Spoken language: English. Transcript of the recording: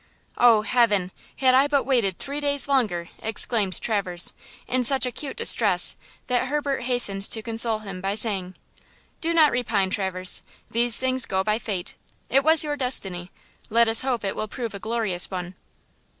"Oh, heaven! had I but waited three days longer!" exclaimed Traverse, in such acute distress that Herbert hastened to console him by saying: "Do not repine, Traverse; these things go by fate. It was your destiny–let us hope it will prove a glorious one."